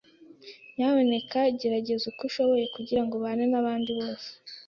Nyamuneka gerageza uko ushoboye kugirango ubane nabandi bose.